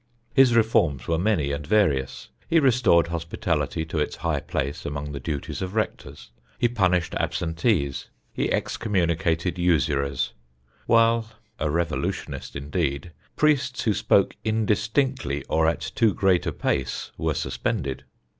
His reforms were many and various: he restored hospitality to its high place among the duties of rectors; he punished absentees; he excommunicated usurers; while (a revolutionist indeed!) priests who spoke indistinctly or at too great a pace were suspended.